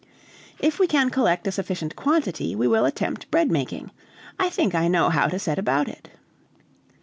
"If we can collect a sufficient quantity, we will attempt bread making. I think I know how to set about it."